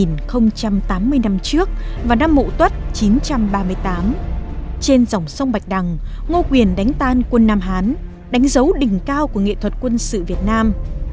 năm tám mươi năm trước vào năm mộ tuất chín trăm ba mươi tám trên dòng sông bạch đằng ngô quyền đánh tan quân nam hán đánh dấu đỉnh cao của nghệ thuật quân sự việt nam